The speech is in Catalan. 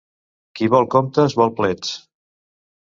Qui vol comptes, vol plets.